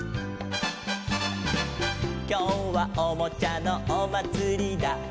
「きょうはおもちゃのおまつりだ」